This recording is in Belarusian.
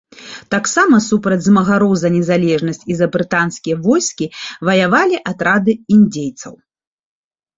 Таксама супраць змагароў за незалежнасць і за брытанскія войскі ваявалі атрады індзейцаў.